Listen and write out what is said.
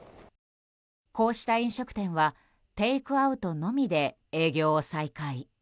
こうした飲食店はテイクアウトのみで営業を再開。